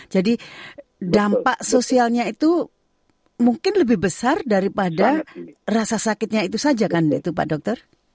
jadi dampak sosialnya itu mungkin lebih besar daripada rasa sakitnya itu saja kan pak dokter